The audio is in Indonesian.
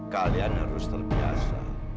kalian harus terbiasa